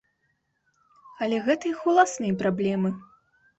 Але гэта іх уласныя праблемы.